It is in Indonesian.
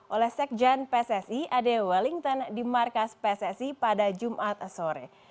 oleh sekjen pssi ade wellington di markas pssi pada jumat sore